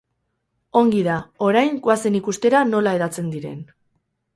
Ongi da, orain goazen ikustera nola hedatzen diren.